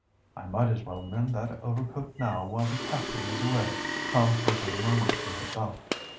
"I might as well mend that overcoat now, while the captain is away," Tom heard her murmur to herself.